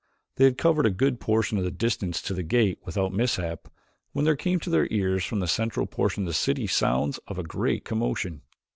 They had covered a good portion of the distance to the gate without mishap when there came to their ears from the central portion of the city sounds of a great commotion.